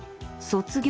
「卒業」。